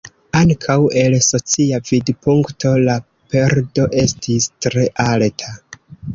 Ankaŭ el socia vidpunkto la perdo estis tre alta.